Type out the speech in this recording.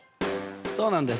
そうなんです。